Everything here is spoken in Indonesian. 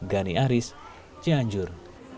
gani aris cianjur